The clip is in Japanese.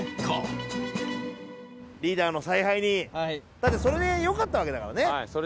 だってそれでよかったわけだからね。